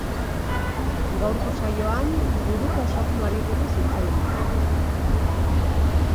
Gaurko saioan buruko osasunari buruz hitz egingo dugu.